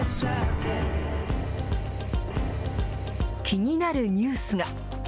気になるニュースが。